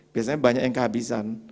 biasanya banyak yang kehabisan